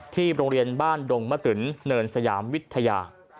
โรงเรียนบ้านดงมะตึนเนินสยามวิทยา